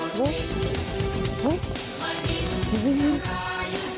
บุนหรือไม่บุนหรือไม่